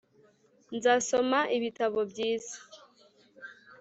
nzasoma ibitabo byiza